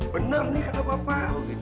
benar nih kata bapak